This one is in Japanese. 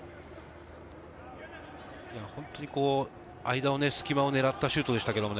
間を隙間を狙ったシュートでしたけどね。